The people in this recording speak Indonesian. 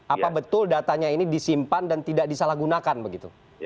apa betul datanya ini disimpan dan tidak disalahgunakan begitu